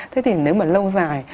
thế thì nếu mà lâu dài